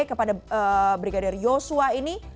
kepada brigadir yosua ini